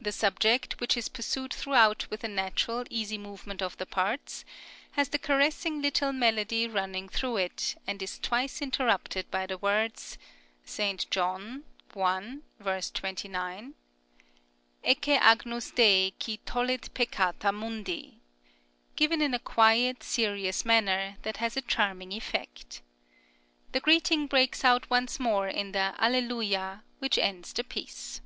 The subject, which is pursued throughout with a natural, easy movement of the parts, has the caressing little melody running through it, and is twice interrupted by the words (S. John i. v. 29), "Ecce Agnus Dei qui tollit peccata mundi," given in a quiet, serious manner, that has a charming effect. The greeting breaks out once more in the "Alleluia," which ends the piece.